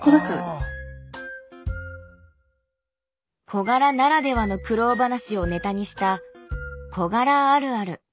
小柄ならではの苦労話をネタにした「小柄あるある」。